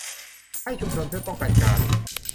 ให้ชุมชนช่วยป้องกันการ